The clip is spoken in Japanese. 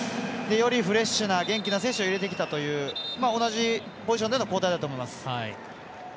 よりフレッシュな元気な選手を入れてきたという同じポジションでの交代だと思います。